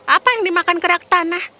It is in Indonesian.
apa yang dimakan krakthana